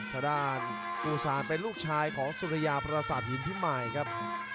ทะดานปูซานเป็นลูกชายของสุธัยาปราสาทหิงพิมัยครับ